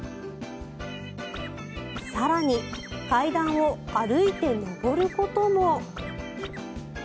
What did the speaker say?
更に、階段を歩いて上ることも。